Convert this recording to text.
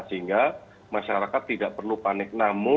sehingga masyarakat tidak perlu panik